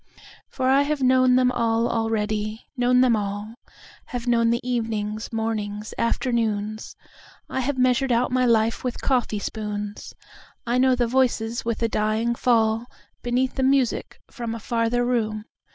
For I have known them all already, known them all:Have known the evenings, mornings, afternoons,I have measured out my life with coffee spoons;I know the voices dying with a dying fallBeneath the music from a farther room.